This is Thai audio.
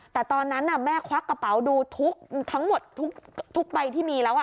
แต่ตอนนั้นแม่ควักกระเป๋าดูทุกทั้งหมดทุกใบที่มีแล้ว